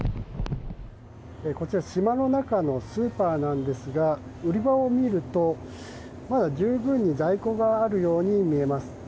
こちら島の中のスーパーなんですが売り場を見ると、まだ十分に在庫があるように見えます。